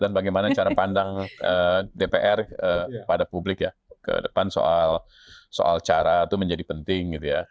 dan bagaimana cara pandang dpr pada publik ya ke depan soal cara itu menjadi penting gitu ya